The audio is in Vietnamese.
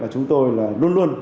chúng tôi là luôn luôn